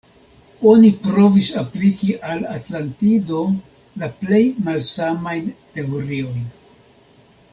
Oni provis apliki al Atlantido la plej malsamajn teoriojn.